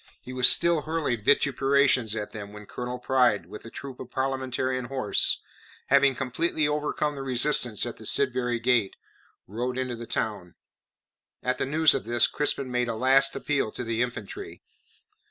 He was still hurling vituperations at them when Colonel Pride with a troop of Parliamentarian horse having completely overcome the resistance at the Sidbury Gate rode into the town. At the news of this, Crispin made a last appeal to the infantry.